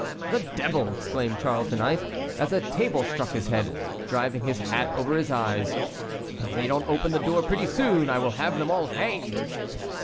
"The devil!" exclaimed Charles IX., as a table struck his head, driving his hat over his eyes, "if they don't open the door pretty soon I will have them all hanged."